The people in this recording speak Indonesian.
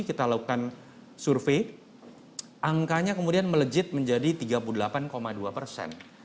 kita lakukan survei angkanya kemudian melejit menjadi tiga puluh delapan dua persen